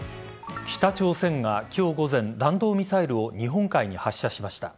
北朝鮮が今日午前弾道ミサイルを日本海に発射しました。